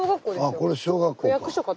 あこれ小学校か。